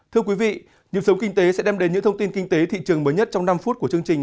thưa quý vị nhiệm sống kinh tế sẽ đem đến những thông tin kinh tế thị trường mới nhất trong năm phút của chương trình